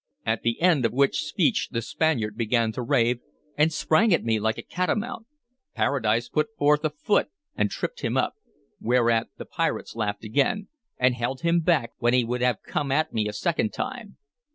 At the end of which speech the Spaniard began to rave, and sprang at me like a catamount. Paradise put forth a foot and tripped him up, whereat the pirates laughed again, and held him back when he would have come at me a second time.